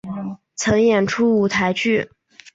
曾演出舞台剧。